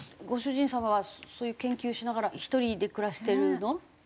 ご主人様はそういう研究しながら１人で暮らしてるの？